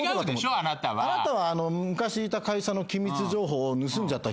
あなたは昔いた会社の機密情報を盗んじゃった人。